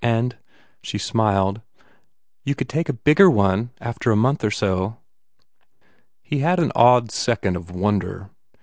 And " she smiled "you could take a bigger one after a month or so." He had an awed second of wonder.